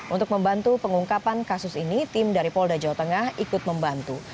untuk membantu pengungkapan kasus ini tim dari polda jawa tengah ikut membantu